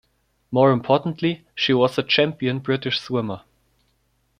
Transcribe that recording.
More importantly, she was a champion British swimmer.